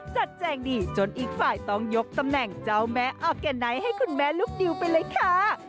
แจงดีจนอีกฝ่ายต้องยกตำแหน่งเจ้าแม่ออร์แกนไนท์ให้คุณแม่ลูกดิวไปเลยค่ะ